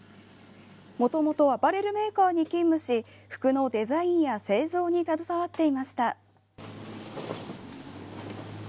もともとアパレルメーカーに勤務し服のデザインや製造に携わっていました。